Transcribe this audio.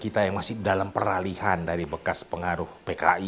kita yang masih dalam peralihan dari bekas pengaruh pki